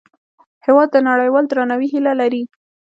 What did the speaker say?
هېواد د نړیوال درناوي هیله لري.